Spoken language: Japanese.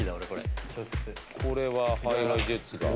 これはＨｉＨｉＪｅｔｓが。